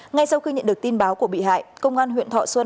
ngay sau khi nhận được tin báo của bị hại công an huyện thọ xuân